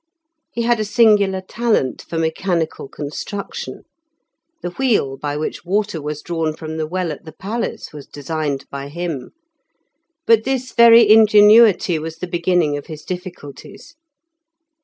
He had a singular talent for mechanical construction (the wheel by which water was drawn from the well at the palace was designed by him), but this very ingenuity was the beginning of his difficulties.